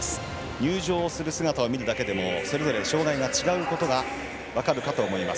入場する姿を見るだけでもそれぞれ障がいが違うことが分かるかと思います。